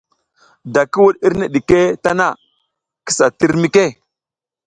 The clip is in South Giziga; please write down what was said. Da ki wuɗ irne ɗike tana, kisa tir mike.